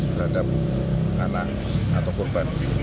terhadap anak atau korban